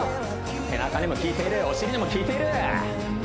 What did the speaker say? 背中にもきいているお尻にもきいている！